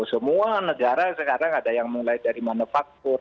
semua negara sekarang ada yang mulai dari manufaktur